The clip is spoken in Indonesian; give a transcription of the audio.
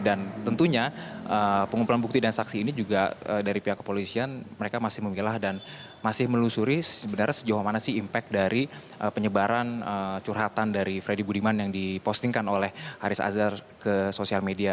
dan tentunya pengumpulan bukti dan saksi ini juga dari pihak kepolisian mereka masih memilah dan masih melusuri sebenarnya sejauh mana sih impact dari penyebaran curhatan dari freddy budiman yang dipostingkan oleh haris azhar ke sosial media